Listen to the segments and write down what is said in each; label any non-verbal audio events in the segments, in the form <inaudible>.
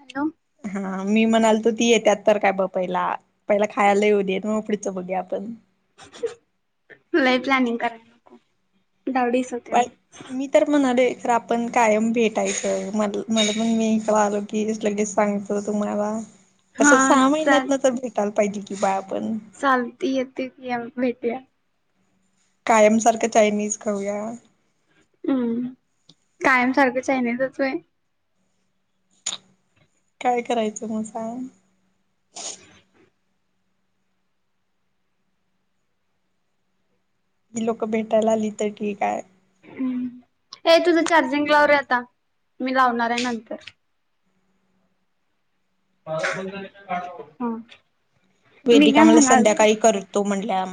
Hello हा मी म्हणालतो ती येतात तर काय बपयला. पहिला खायला येऊ देेत मग उपडीच बघुया आपण. लय प्लॅनिंग करताय <unintelligible> वडी स पण मी तर म्हणाले खर आपण कायम भेटायच म म्हला मण मी आलो की दिसल की सांग तुम्हाला तस हा सहा चाल महिन्यातन तर भेटायला पाहिजे कि बा आपण. चालती येती क भेटुया. कायमसारख चायनीज खाऊया. हम्म कायम सारखच चायनीज व्हय. काय करायच मग सांगा? ही लोक भेटायला आली तर की काय. हम्म ये तुझ चार्जिंग लावरे आता मी लावणार आहे नंतर. हां वेदिका मला संध्याकाळी करतो म्हंटल्या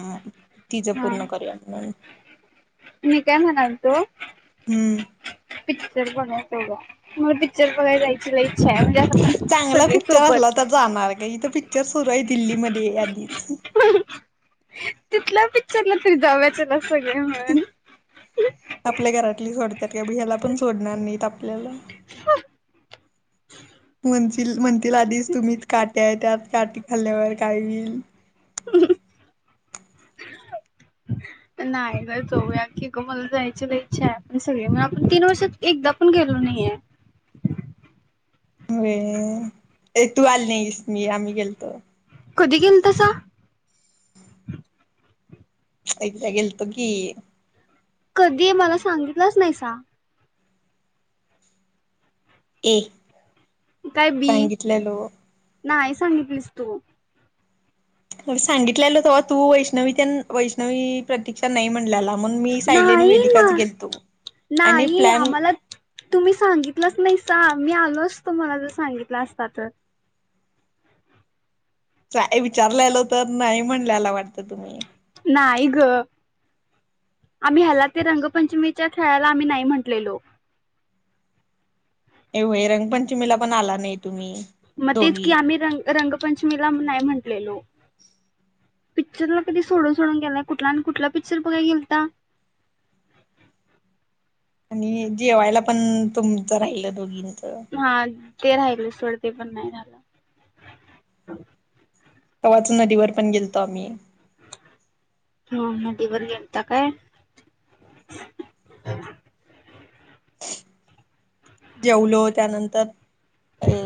तिच हा पूर्ण करूया म्हणून. मी काय म्हणालतो. हम्म पिक्चर बनयच <unintelligible> मला पिक्चर बघायला जायची लय इच्छा आहे. त्यात सगळी सोबत. कुठ जाणार ग इथ पिक्चर सुरू आहे दिल्लीमध्ये आधीच. तिथल्या पिक्चरला तरी जाव्याचेला सगळे मिळून. आपल्या घरातली सोडतात का भैय्याला पण सोडणार नाहीत आपल्याला. <inaudible> म्हणशील म्हणतील आधीच तुम्हीच काट्या आहे त्यात काट्या खाल्ल्यावर काय होईल? <inaudible> नाही ग जाऊया की ग मला जायची लय इच्छा आहे आपण सगळे मिळून आपण तीन वर्षात एकदा पण गेलो नाहीये. व्हय ये तू आली नाहीस मी आम्ही गेलतो. कधी गेलता सा? एकदा गेलतो की. कधी? मला सांगितलंच नाही सा. ए <inaudible> काय बी. सांगितलेलो <inaudible> नाही सांगितलीस तू. सांगितलेलं तेव्हा तू वैष्णवी त्यानं वैष्णवी प्रतीक्षा नाही म्हणलेल्या. म्हणून मी सायली आणि नाही वेदिकाच ना गेलतो. आणि नाही प्लॅन आम्हाला तुम्ही सांगितलंच नाहीसा. मी आलो असतो, मला जर सांगितला असता तर. चा विचारल्यालो, तर नाही म्हणल्याला वाटतं तुम्ही. नाही गं. आम्ही ह्याला, ते रंगपंचमीच्या खेळाला आम्ही नाही म्हटलेलो. ये वय रंगपंचमीला पण आला नाही तुम्ही. मग तेच की, दोघी आम्ही रंग रंगपंचमीला नाही म्हटलेलो. पिक्चरला कधी सोडून सोडून गेला. कुठला आणि कुठला पिक्चर बघाई गेलता? आणि जेवायला पण तुमच राहिल दोघींच. हा ते राहिल सोड ते पण नाही झालं. <inaudible> तवाच नदीवर पण गेलतो आम्ही. हम्म. नदीवर केलता काय? <inaudible> जेवलो त्यानंतर अ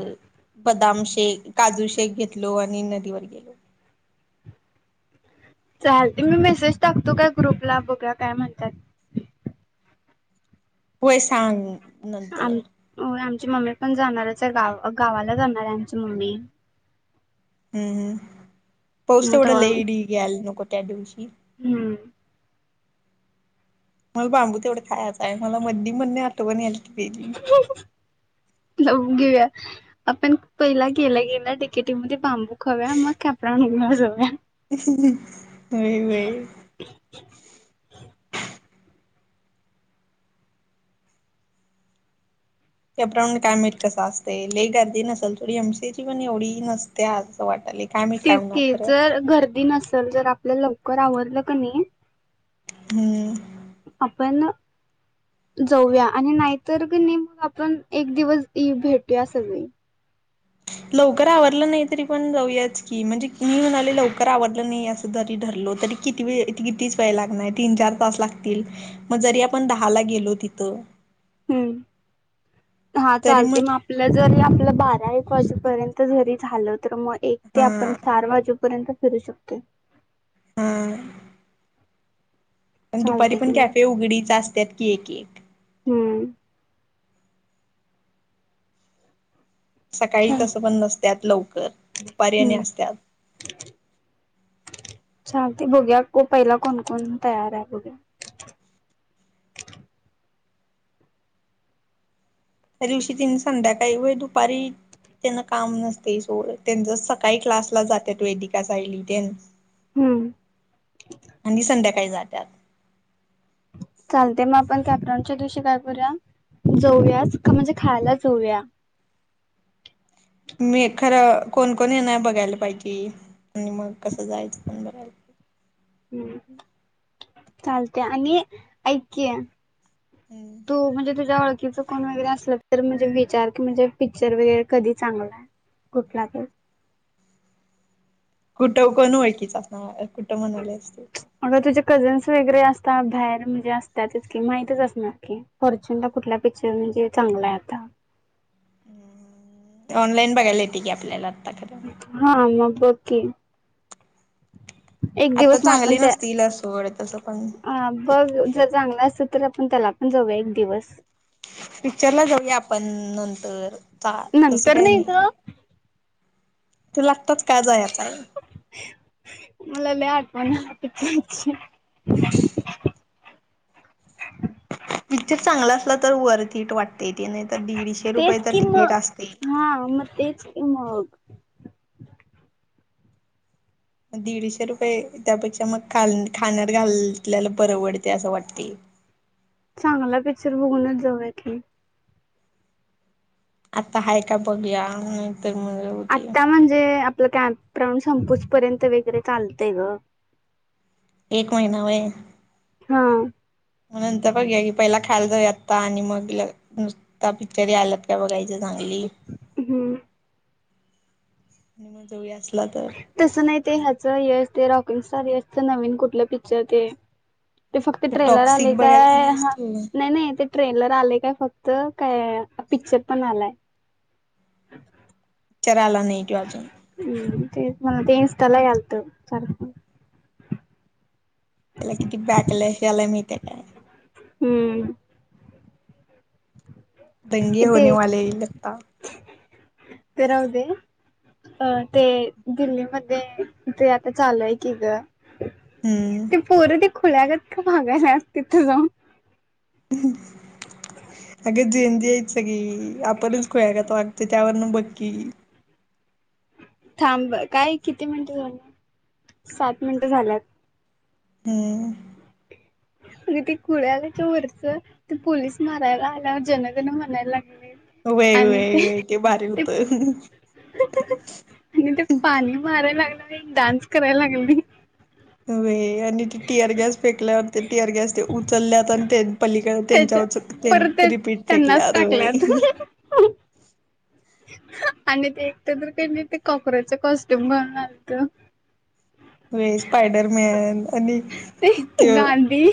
बदाम शेक, काजू शेक घेतलो आणि नदीवर गेलो. चालते. मी मेसेज टाकतो काय ग्रुपला? बघूया काय म्हणत्यात? व्हंय सांग नंतर. व्हंय आमची मम्मी पण जाणारच आहे, गाव गावाला जाणार आहे आमची मम्मी. हम्म हम्म. पाऊस मग तेवढ तवा लई धीग यायला नको त्या दिवशी. हम्म. मला बांबू तेवढ खायचा आहे. मला मदनी मदनी आठवण यालती त्याची. लावून घेऊया. आपण पहिला गेला गेल्या तिकेटीमध्ये बांबू खाऊया मग कॅप राऊंड ला जाऊया. व्हंय व्हंय. <inaudible> कॅप राऊंड काय माहीत कसं असते. गर्दी नसेल थोडी एम सी याची पण एवढी नसतं असं वाटायले. तेच की जर गर्दी नसलं, जर आपलं लवकर आवरलं का नी हम्म आपण जाऊया. आणि नाहीतर की नी, मग आपण एक दिवस ई भेटूया सगळे. लवकर आवरलं नाही, तरी पण जाऊयाच की. म्हणजे मी म्हणाले लवकर आवडलं नाही असं जरी धरलो तरी किती वेळ कितीच वेळ लागणार आहे. तीन, चार तास लागतील, मग जरी आपण दहा ला गेलो तिथं हम्म हा चालते मग आपण आपलं जरी आपलं बारा, एक वाजेपर्यंत जरी झालं, तर मग एक ते हा आपण चार वाजे पर्यंत फिरू शकतोय. हम्म. पण दुपारी चालते की पण मी कॅफे उघडीच असतात की, ये की. हम्म. सकाळी चाल तसं पण नसत्यात लवकर. दुपारीने असतात. <inaudible> चालतंय बघुया, पहिला कोण कोण तयार आहे ते. त्या दिवशी तीन संध्याकाळी व दुपारी. त्यांना काम नसते सोड. त्यांच सकाळी क्लासला जातत. वेदिका, सायली तेन. हम्म आणि संध्याकाळी जात्यात. चालते मग आपण कॉपरांच्या दिवशी काय करूया? जाऊयास. म्हणजे खायला जाऊया. मी खरं कोण कोण येणारे बघायला पाहिजे. आणि मग कसं जायचं पण बघयला हम्म हम्म चालतेय. आणि ऐक की, पाहिजे तू म्हणजे तुझ्या ओळखीच कोण वगैरे असल तर म्हणजे विचार की, म्हणजे पिक्चर वगैरे कधी चांगलाय? कुठला तर. कुठं कोण ओळकीच असणार माझ्या. कुठं म्हणालेस तू. अगं तुझे कझन्स वगैरे असतात. बाहेर म्हणजे असतातकी. माहतीच असणार की. फॉर्च्युूनला कुठला पिक्चर म्हणजे चांगलाय आता? ऑनलाइन बघायला येते की आपल्याला आत्ता खर. हा मग बघ की. एक आता दिवस मग आपण चांगली त्या, नसतील सोड तसं पण अ बघ. जर चांगलं असत तर, आपण त्याला पण जाऊया एक दिवस. पिक्चरला जाऊया आपण नंतर चा. तसं नंतर काही नाही. ग तुला आताच का जायचय? मला लई आठवण आली ग त्याची. <inaudible> पिक्चर चांगलं असला तर वरतीकीट वाटतेय ते. नाही तर दीडशे तेच रुपयाेच कि मग तिकीट असतय. हा, म तेच की मग. दीडशे रुपये. त्यापेक्षा मग ख खाण्यात घालल्याला परंवडते. असं वाटते. चांगला पिक्चर बघूनच जाऊया कि. आता हाय का बघूया? नाही आता म्हणजे, आपलं कॅमपग्राउंड संपे पर्यंत वगैरे चालतय ग. एक महिना व्हय. ह. म नंतर बघया की. पहिला खायला जाऊया आत्ता. आणि मग नुस ता पिक्चर यालात का बघायचं चांगली हम्म. आणि मग जाऊया असला त. तसं नाही ते ह्याचं, ये ते रॉकिंग स्टार यसच नवीन कुठलं पिक्चर ते ते फक्त तू ट्रेलर आले टॉक्सिक बघायला काय? नाहीस ह तू नाही नाही ते ट्रेलर आलेय काय फक्त, काय पिक्चर पण आलाय? पिक्चर आला नाही तो अजून. हम्म ते मला ते इन्टालाही आलत. सारख त्याला किती बॅकला हे आलय माहीते का? हम्म! दंगे ते होनेवाले हे लगता. ते राहूदे. अ ते दिल्लीमध्ये, ते आता चालूय की ग. हम्म ते पोरं ते खुलागात का बघायला तिथं जाऊ. अगं जेदीयेती सगळी. आपणच खुळ्यागत वाग ते त्यावरन बघकी. थांब काय किती मिनिटं झाली सात मिनिटं झाल्यात हू अगं ते खुल आलंय ते वरच ते पोलीस मारायला आल्यावर जनगण म्हणायला लागलय व्हय व्हय व्हय ते भारी होत आणि ते पाणी माराय लागलं आणि डान्स करायला लागलय व्हय आणि ते टी आर गॅस फेकल्यावर ते टी आर गॅस ते उचलल्याता ते पलीकडे त्याच्या परत त्यांच्यावर ते रिपीट त्यांनाच फेकल्या व टाकल्यात. आणि ते एकट तर काही नाही ते कॉक्रोचच कॉस्ट्यूम घालून आलत वेज स्पायडरमॅन आणि ते त्यो गांधी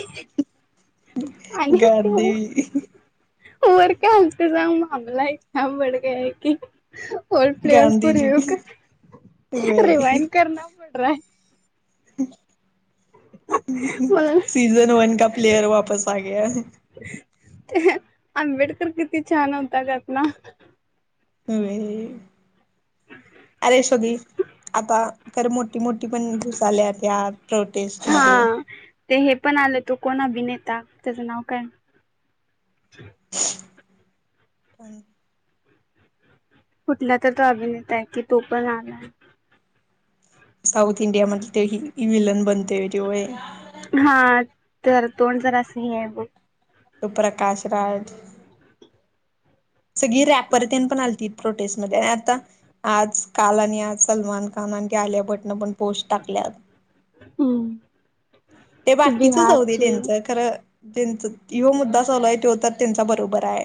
आणि Gandhi <inaudible> <unintelligible> old players Gandhiji review कर व्हय रिवाइन करना पड रहा है मला सीजन वन का प्लेयर वापस आगया ते आंबेडकर किती छान होता त्यातला आलीस तू बी आता खरं मोठी मोठी पण घुसाल्यात यात प्रोटेस्ट हा मध्ये ते हे पण आल तो कोण अभिनेता त्याचं नाव काय प कुठला तर तो अभिनेता आहे की तो पण आलाय साऊथ इंडिया म ते हितकी विलन बनतोय त्या व्हय हा तर तोंड जरास हे आहे बघ तो प्रकाश राज सगळी रॅपर तेन पण आलती प्रोटेस्टमध्ये आणि आता आज काल आणि आज सलमान खान आणि ती आलिया भट न पण पोस्ट टाकल्यात हू ते बाकीच जाऊ दे त्यांचं खरं त्यांच ह्यो मुद्दा चालू आहे त्या तर त्यांचा बरोबर आहे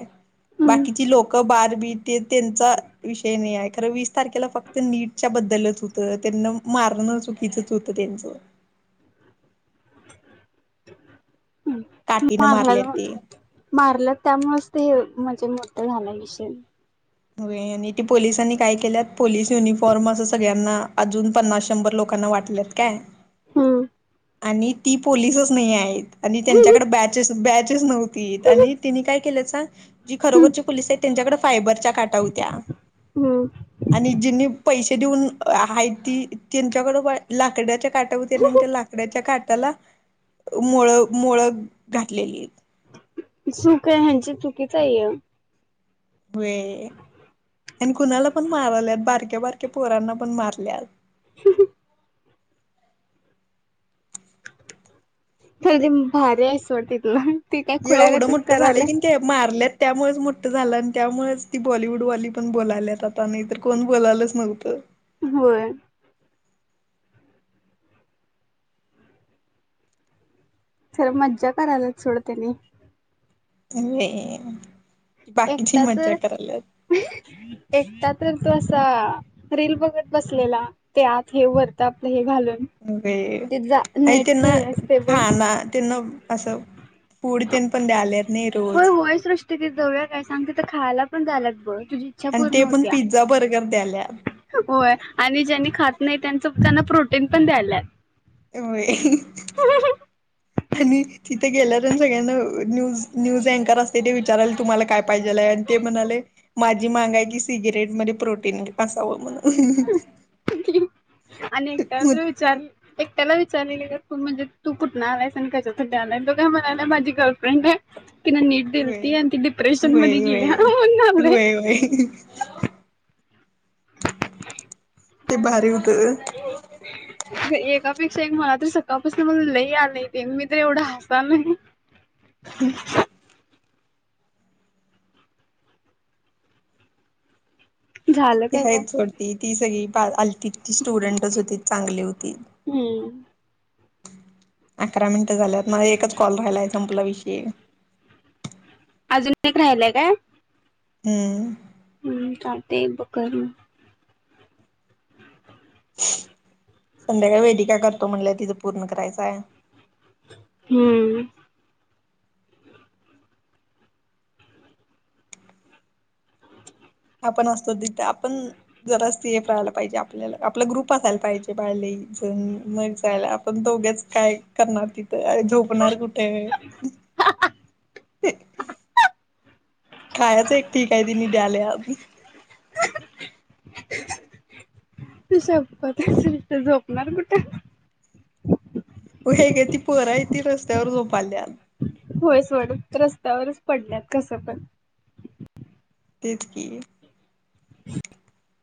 हम्म बाकीची लोकं बाद बिद ते त्यांचा विषय नाही आहे खर वीस तारखेला फक्त नीटच्या बद्दलच होतं त्यांना मारणं चुकीचंच होतं त्यांचं काठीनं मारल्यात मारण्याचा पण ते मारलं त्यामुळेच ते म्हणजे मोठ झाला विषय व्हय आणि ते पोलिसांनी काय केल्यात पोलिस युनिफॉर्म असं सगळ्यांना अजून पन्नास शंभर लोकांना वाटल्यात काय हू आणि ती पोललीसच नाही आहेत आणि त्यांच्याकडे बॅचेस बॅचेच नव्हतीत आणि त्यांनी काय केल्यात सांग जी खरोखरची पोलिस आहेत त्यांच्याकड फायबरच्या काट्या होत्या हम्म आणि जिनी पैसे देऊन आहेत ती त्यांच्याकड लाकडाच्या काट्या होतीत आणि त्या लाकडाच्या काटाला मोळ मोळ घातलेली चूक आहे ह्यांची चुकीच आहे हे व्हय आणि कुणाला पण माराल्यात बारक्या बारक्या पोरांना पण मारल्यात <inaudible> तर भारी आहे सोड तिथलं ते काय एवढं खुळ्यागतच मोठं झालंय करायलय. कीन तेब. मारल्यात त्यामुळेच मोठं झालं आणि त्यामुळेच ती बॉलिवूडवाली पण बोलाल्यात आता नाहीतर. कोण बोलालच नव्हतं. होय! खरं मज्जा करायलाच सोडतेनी. <unintelligible> बाकीची एकटा मज्जा तर! <inaudible> एकटा तर तसा. रील बघत बसलेला ते आत हे वरता आपलं हे घालून. वे ते जा आई नेटच त्यांना हे असते बघ खाना. त्यांना असं फूड तेन पण द्याआल्यातं नी रोज. तिथे जवळ्या काय सांग, तिथं खायला पण झाल्यात बघं तुझी. इच्छा आण पूर्ण ते पण होत्या. पिझ्झा बर्गर द्याल्या. होय आणि ज्यांनी खात नाही त्यांच त्यांना प्रोटीन पण द्यायलाय. व्हयं! आणि तिथे गेल्यावरून सग्यांना न्यूज-न्यूज अँकर असते ते विचाराल तुम्हाला काय? पायज्यल आहे नं ते म्हणाले माझी मांगायची सिगरेट मधे प्रोटीन असाव म्हण. अनी कायतरी विचारल. एक त्याला विचारलेल का म्हणजे तू कुठून आलायस आण कश्या साठी आलाय तो काय म्हणाला माझी गर्लफ्रेंड आहे. ति न नीट दिल ती व्हय आणि ती डिप्रेशन मध्ये व्हय गेली. व्हय. <unintelligible> <unintelligible> ते भारी होत. एकापेक्षा एक मलातरी सकाळपासून मला लई आलं ते मी तर एवढं हसा <unintelligible> <inaudible> झालं ती काय बघ आहेत सोडती ती सगळी पा आलति ती स्टुडंटच होती चांगली होती. हू! अकरा मिनिटं झाल्यात ना एकच कॉल राहिला आहे संपला विषय. अजून एक राहिलाय काय? हू! हू चालतेय बकर संध्याकाळी वेदी काय करतो म्हणल्या तिथं पूर्ण करायचाय. <inaudible> आपण असतो तिथे आपण. जरासं ती राहायला पाहिजे आपल्याला आपला ग्रुप आसायला पाहिजे बायले जण न जायला आपण दोघ्याच. काय करणार तिथं झोपणार कुठे. खायाच एक ठीक आहे तिनी द्याले. <unintelligible> झोपणार कुठे व्हयं काय ती पोर आहे ती रस्त्यावर झोप आल्या. होय सोड रस्त्यावरच पडल्यात कसं पण. तेच कि. <inaudible>